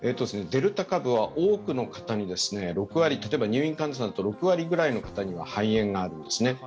デルタ株は多くの方に、例えば入院患者さんの６割ぐらいの方には肺炎があるんですね。